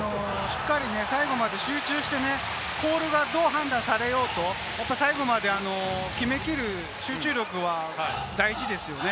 最後まで集中してボールがどう判断されようと、最後まで決めきる集中力は大事ですよね。